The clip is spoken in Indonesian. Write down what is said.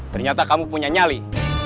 ternyata kamu punya nyali